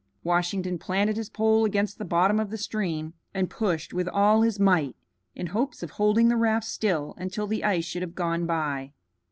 Washington planted his pole against the bottom of the stream and pushed with all his might, in hopes of holding the raft still until the ice should have gone by.